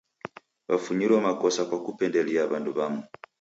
Wafunyiro makosa kwa kupendelia w'andu w'amu.